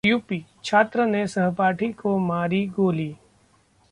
UP छात्र ने सहपाठी को मारी गोली